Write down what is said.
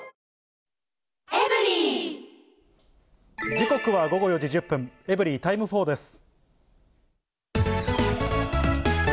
時刻は午後４時１０分、エブリィタイム４です。